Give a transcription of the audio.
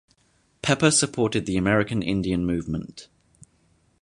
Pepper supported the American Indian Movement.